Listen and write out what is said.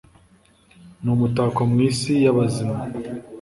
ni umutako mw'isi y'abazima